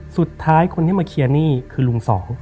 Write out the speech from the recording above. สุดท้ายคนที่มาเคลียร์หนี้คือลุงสอง